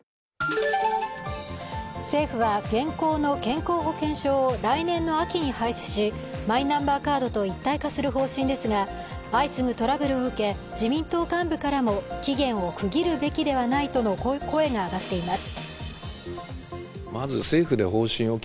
政府は現行の健康保険証を来年の秋に廃止しマイナンバーカードと一体化する方針ですが、相次ぐトラブルを受け、自民党幹部からも期限を区切るべきではないとの声が上がっています。